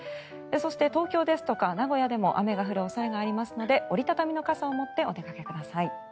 そして、東京ですとか名古屋でも雨が降る恐れがありますので折り畳みの傘を持ってお出かけください。